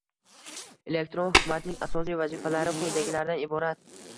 Elektron hukumatning asosiy vazifalari quyidagilardan iborat: